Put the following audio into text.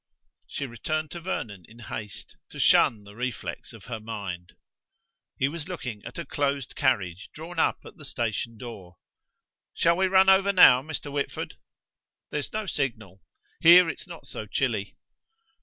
She returned to Vernon in haste, to shun the reflex of her mind. He was looking at a closed carriage drawn up at the station door. "Shall we run over now, Mr. Whitford?" "There's no signal. Here it's not so chilly."